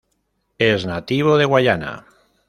Es nativo de Guyana.